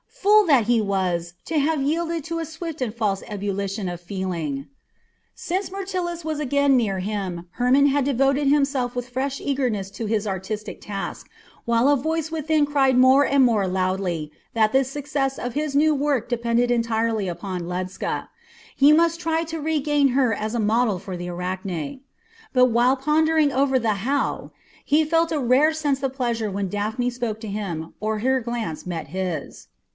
Fool that he was to have yielded to a swift and false ebullition of feeling! Since Myrtilus was again near him Hermon had devoted himself with fresh eagerness to his artistic task, while a voice within cried more and more loudly that the success of his new work depended entirely upon Ledscha. He must try to regain her as a model for the Arachne! But while pondering over the "how," he felt a rare sense of pleasure when Daphne spoke to him or her glance met his.